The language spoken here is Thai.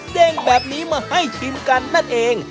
เด้งแบบนี้มาให้ชิมกันนั่นเอง